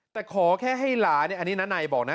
แต่ขอแค่ให้หลานอันนี้น้านายบอกนะ